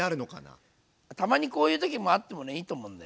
たまにこういう時もあってもねいいと思うんだよね。